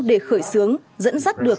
để khởi sướng dẫn dắt được